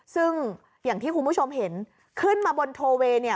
ซึ่งอย่างที่คุณผู้ชมเห็นขึ้นมาบนโทเวย์เนี่ย